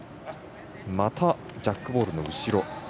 またジャックボールの後ろ。